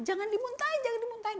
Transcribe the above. jangan dimuntahin jangan dimuntahin